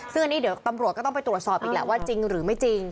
ซึ่งอันนี้เดี๋ยวตำรวจก็ต้องไปตรวจสอบอีกแหละว่าจริงหรือไม่จริง